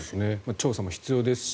調査も必要ですし